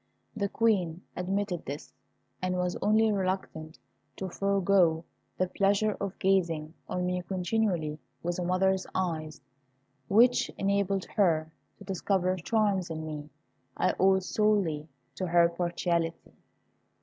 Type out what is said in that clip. The Queen admitted this, and was only reluctant to forego the pleasure of gazing on me continually with a mother's eyes, which enabled her to discover charms in me I owed solely to her partiality.